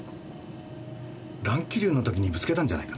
乱気流のときにぶつけたんじゃないかな。